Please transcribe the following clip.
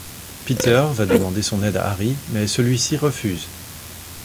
Peter va demander son aide à Harry, mais celui-ci refuse.